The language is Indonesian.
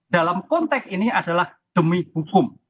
dalam konteks ini adalah demi hukum